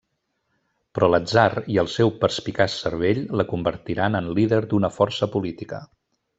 Però l’atzar i el seu perspicaç cervell la convertiran en líder d’una força política.